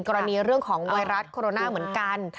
กรณีเรื่องของไวรัสโคโรนาเหมือนกัน